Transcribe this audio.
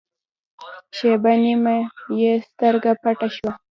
شېبه نیمه یې سترګه پټه شوه.